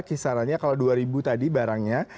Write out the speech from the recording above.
kisarannya kalau dua ribu tadi barangnya